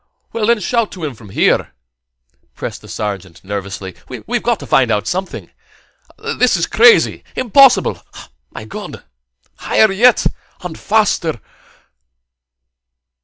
"Then shout to him from here," pressed the sergeant nervously. "We've got to find out something! This is crazy impossible! My God! Higher yet and faster!"